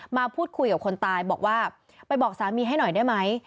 มาพูดคุยกับคนตายบอกว่าไปบอกสามีให้หน่อยได้ไหม